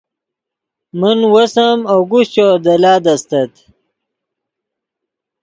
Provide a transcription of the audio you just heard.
من وس ام اگوشچو دے لاد استت